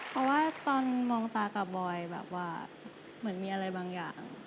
เพราะว่าตอนมองตากับบอยแบบว่าเหมือนมีอะไรบางอย่าง